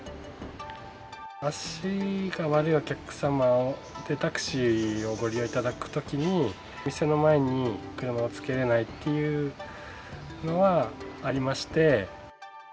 足が悪いお客様でタクシーをご利用いただくときに、店の前に車をつけれないっていうのはありまして。